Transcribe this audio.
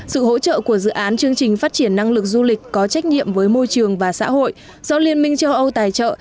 sự hỗ trợ của dự án chương trình phát triển năng lực du lịch có trách nhiệm với môi trường và xã hội do liên minh châu âu tài trợ